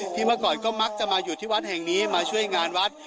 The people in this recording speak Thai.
เมื่อก่อนก็มักจะมาอยู่ที่วัดแห่งนี้มาช่วยงานวัด